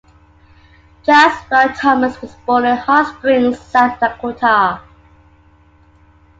Jess Floyd Thomas was born in Hot Springs, South Dakota.